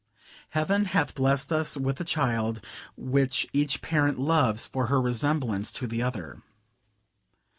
Heaven hath blessed us with a child, which each parent loves for her resemblance to the other.